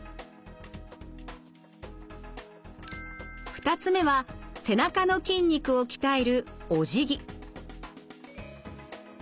２つ目は背中の筋肉を鍛えるおじぎ。